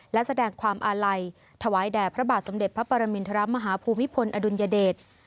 และแสดงความอาลัยถวายแด่พระบาทสมเด็จพระปรมินทรมาฮภูมิพลอดุลยเดช